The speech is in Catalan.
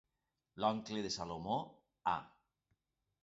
L'oncle de Salomó, A.